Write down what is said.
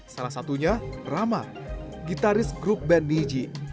salah satunya rama gitaris grup band niji